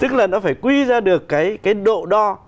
tức là nó phải quy ra được cái độ đo